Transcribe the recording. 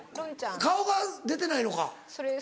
・顔が出てないのか？